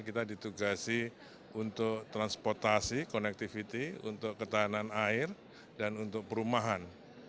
kita ditugasi untuk transportasi connectivity untuk ketahanan air dan untuk perumahan